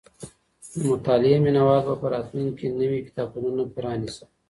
د مطالعې مينه وال به په راتلونکي کي نوي کتابتونونه پرانيزي.